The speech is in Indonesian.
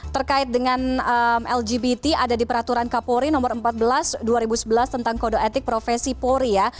terkait dengan lgbt ada di peraturan kapolri nomor empat belas dua ribu sebelas tentang kode etik profesi polri ya